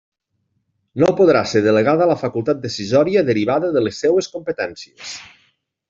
No podrà ser delegada la facultat decisòria derivada de les seues competències.